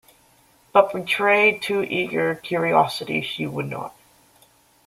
But betray too eager curiosity she would not.